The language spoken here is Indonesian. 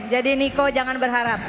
jadi niko jangan berharap